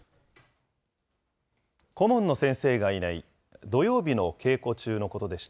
顧問の先生がいない土曜日の稽古中のことでした。